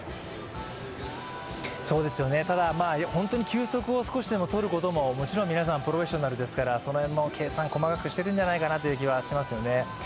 ただ、ホントに休息を少しでも取ることも、もちろん皆さんプロフェッショナルですから、その辺も計算細かくしているんじゃないかなという気はしますね。